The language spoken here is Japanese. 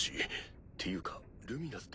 っていうかルミナスだったな。